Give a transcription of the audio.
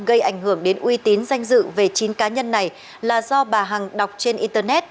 gây ảnh hưởng đến uy tín danh dự về chín cá nhân này là do bà hằng đọc trên internet